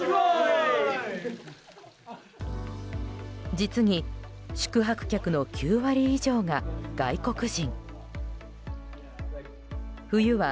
実に宿泊客の９割以上が外国人。